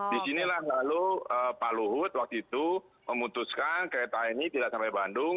disinilah lalu pak luhut waktu itu memutuskan kereta ini tidak sampai bandung